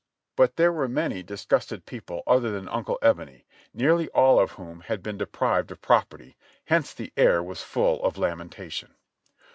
But there were many disgusted people other than Uncle Ebony, nearly all of whom had been deprived of property, hence the air was full of lamentation.